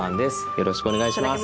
よろしくお願いします。